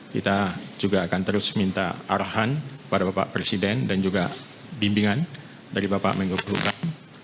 kita juga akan terus minta arahan kepada bapak presiden dan juga bimbingan dari bapak menko pelukam